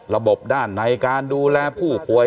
ระบบด้านในการดูแลผู้ป่วย